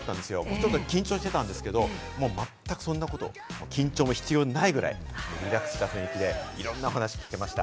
ちょっと緊張してたんですけれども、まったくそんなこと、緊張も必要ないぐらいリラックスした雰囲気でいろんなお話、聞けました。